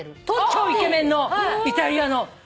超イケメンのイタリアの。